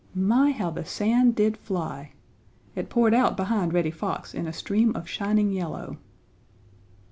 My, how the sand did fly! It poured out behind Reddy Fox in a stream of shining yellow.